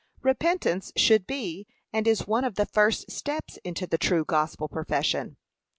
Repentance should be, and is one of the first steps into the true gospel profession.